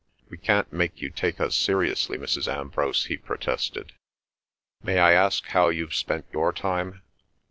"We can't make you take us seriously, Mrs. Ambrose," he protested. "May I ask how you've spent your time?